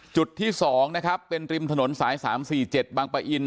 จุดที่สองนะครับเป็นริมถนนสายสามสี่เจ็ดบางปะอิน